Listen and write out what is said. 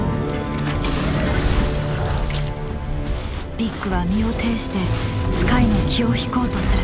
ビッグは身をていしてスカイの気を引こうとする。